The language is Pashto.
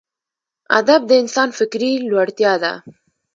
ادب د انسان فکري لوړتیا ده.